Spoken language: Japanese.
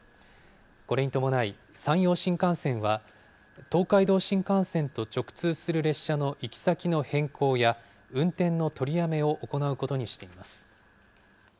これに伴い山陽新幹線は、東海道新幹線と直通する列車の行き先の変更や、運転の取りやめを行うことにしています。